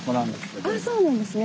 ああそうなんですね。